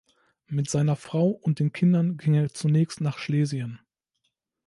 Mit seiner Frau und den Kindern ging er zunächst nach Schlesien.